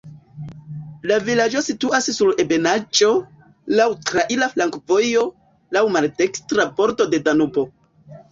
La vilaĝo situas sur ebenaĵo, laŭ traira flankovojo, laŭ maldekstra bordo de Danubo.